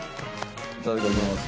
いただきます。